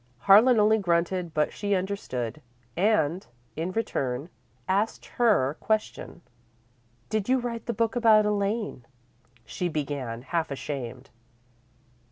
Harlan only grunted, but she understood, and, in return, asked her question. "Did you write the book about Elaine?" she began, half ashamed.